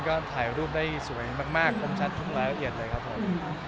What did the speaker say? ก็ถ่ายรูปได้สวยมากคมชัดทุกรายละเอียดเลยครับผม